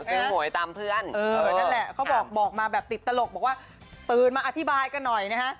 หวยตามเพื่อนเออนั่นแหละเขาบอกมาแบบติดตลกบอกว่าตื่นมาอธิบายกันหน่อยนะฮะ